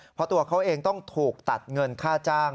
เพราะตัวเขาเองต้องถูกตัดเงินค่าจ้าง